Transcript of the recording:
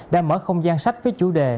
đã mở không gian sách với chủ đề